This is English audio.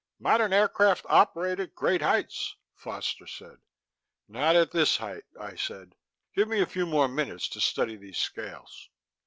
"Modern aircraft operate at great heights," Foster said. "Not at this height," I said. "Give me a few more minutes to study these scales...."